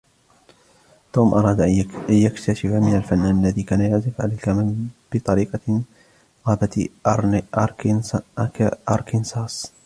توم أراد أن يكتشف من الفنان الذي كان يعزف على الكمان بطريقة غابة أركنساس.